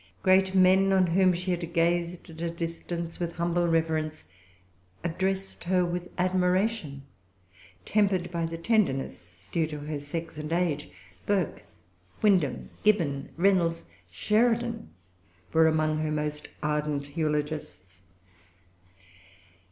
Great men, on whom she had gazed at a distance with humble reverence, addressed her with admiration, tempered by the tenderness due to her sex and age. Burke, Windham, Gibbon, Reynolds, Sheridan, were among her most ardent eulogists.